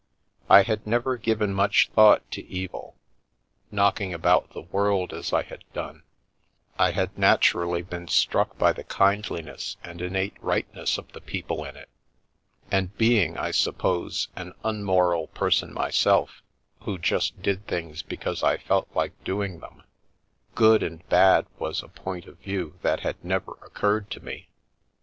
I had never given much thought to evil ; knocking about the world as I had done, I had naturally been struck by the kindliness and innate Tightness of the people in it, and being, I suppose, an un moral person myself, who just did things because I felt like doing them, " good " and " bad " was a point of view that had never occurred to me.